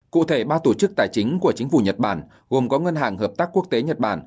cụ thể ba tổ chức tài chính của chính phủ nhật bản gồm có ngân hàng hợp tác quốc tế nhật bản